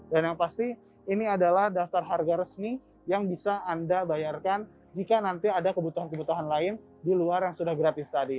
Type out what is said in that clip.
dan yang pasti ini adalah daftar harga resmi yang bisa anda bayarkan jika nanti ada kebutuhan kebutuhan lain di luar yang sudah gratis tadi